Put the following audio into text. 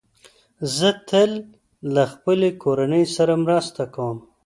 زه تل له خپلې کورنۍ سره مرسته کوم.